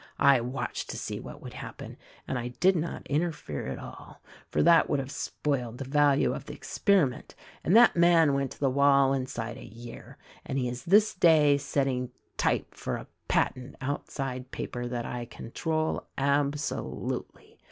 I watched to see what would happen — and I did not interfere at all, for that would have spoiled the value of the experiment ;— and that man went to the wall inside a year, and he is this day setting type for a patent outside paper that I control absolutely.